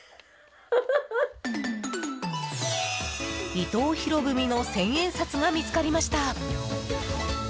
伊藤博文の千円札が見つかりました。